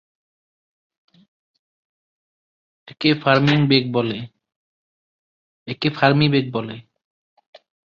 একে ফার্মি বেগ বলে।